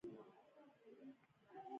ایا ستاسو مشتریان راضي دي؟